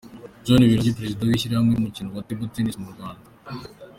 John Birungi perezida w'ishyirahamwe ry'umukino wa Table Tennis mu Rwanda .